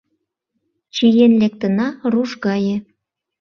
Чиен лектына руш гае.